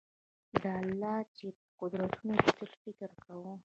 د الله چي په قدرتونو کي تل فکر کوه